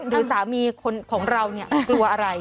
หรือสามีเราเนี่ยกลัวอะไร